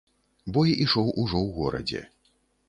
Бой ішоў ужо ў горадзе.